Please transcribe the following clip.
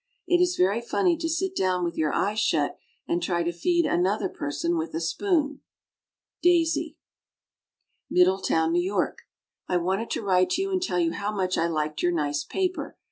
It is very funny to sit down with your eyes shut and try to feed another person with a spoon. DAISY. MIDDLETOWN, NEW YORK. I wanted to write to you, and tell you how much I liked your nice paper.